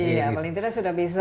iya paling tidak sudah bisa